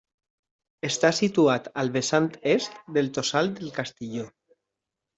Està situat al vessant est del Tossal del Castilló.